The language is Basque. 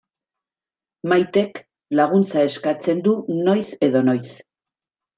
Maitek laguntza eskatzen du noiz edo noiz.